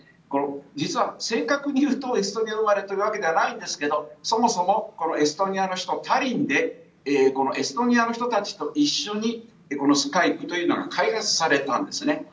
実は、正確に言うとエストニア生まれではないんですけどもそもそもエストニアの首都タリンでエストニアの人たちと一緒にこのスカイプというのが開発されたんですね。